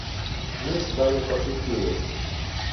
Мы с вами пошутили.